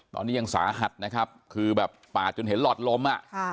ตอนนี้ยังสาหัสนะครับคือแบบปาดจนเห็นหลอดลมอ่ะค่ะ